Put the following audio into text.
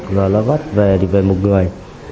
rồi nó bắt về thì về một người